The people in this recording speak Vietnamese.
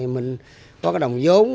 mình có cái đồng vốn